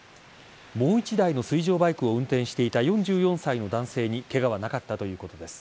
もう１台の水上バイクを運転していた４４歳の男性にケガはなかったということです。